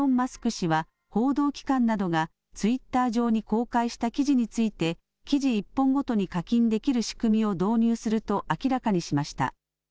氏は報道機関などがツイッター上に公開した記事について記事１本ごとに課金できる仕組みを導入すると明らかにしました。